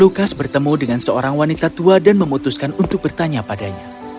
lukas bertemu dengan seorang wanita tua dan memutuskan untuk bertanya padanya